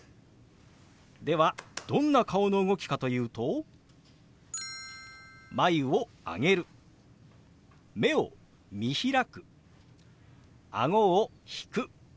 ではどんな顔の動きかというと眉を上げる目を見開くあごを引く。